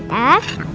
tunggu dong ma